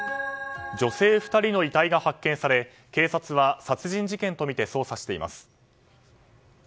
女性２人の遺体が発見され警察は殺人事件とみて捜査しています。